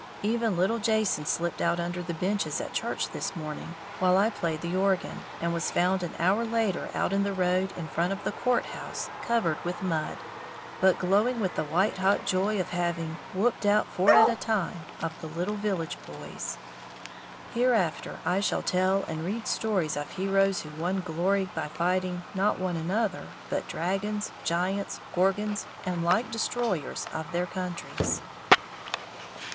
Even little Jason slipped out under the benches at church this morning, while I played the organ, and was found an hour later out in the road in front of the court house, covered with mud, but glowing with the white hot joy of having "whupped out four at a time" of the little village boys. Hereafter I shall tell and read stories of heroes who won glory by fighting, not one another, but dragons, giants, gorgons, and like destroyers of their countries.